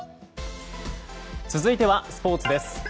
続いてはスポーツです。